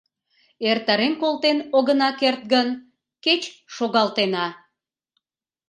— Эртарен колтен огына керт гын, кеч шогалтена.